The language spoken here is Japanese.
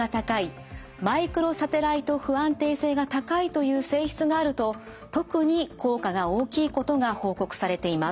マイクロサテライト不安定性が高いという性質があると特に効果が大きいことが報告されています。